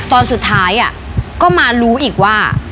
ตอนสุดท้ายก็มารู้อีกว่า